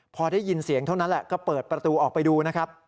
พอได้ยินเสียงเท่านั้นแหละก็เปิดประตูออกไปดูนะครับ